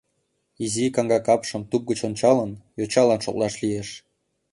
Изи каҥга капшым туп гыч ончалын, йочалан шотлаш лиеш.